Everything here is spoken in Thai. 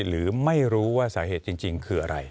หรือไม่รู้ว่าสาเหตุจริงคืออะไร